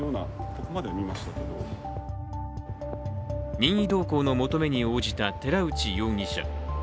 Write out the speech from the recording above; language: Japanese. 任意同行の求めに応じた寺内容疑者。